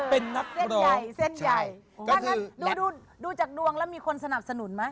เป็นนักรองใช่แล้วก็คือดูจากดวงแล้วมีคนสนับสนุนไหม